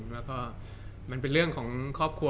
แล้วก็มันเป็นเรื่องของครอบครัว